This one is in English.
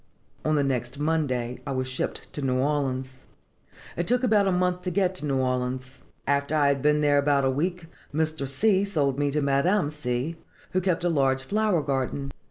On the next Monday I was shipped to New Orleans. "It took about a month to get to New Orleans. After I had been there about a week, Mr. C. sold me to Madame C., who keeps a large flower garden.